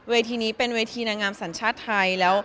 เวทีนี้เป็นเวทีนางามสัญชาติไทย